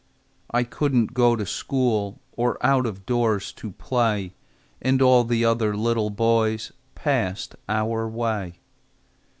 I couldn't go to school, Or out of doors to play. And all the other little boys Passed our way.